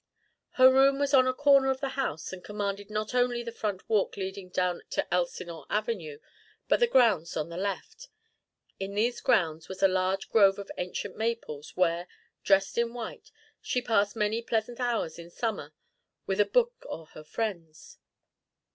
Her room was on a corner of the house and commanded not only the front walk leading down to Elsinore Avenue, but the grounds on the left. In these grounds was a large grove of ancient maples, where, dressed in white, she passed many pleasant hours in summer with a book or her friends.